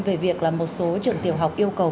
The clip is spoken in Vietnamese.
về việc là một số trường tiểu học yêu cầu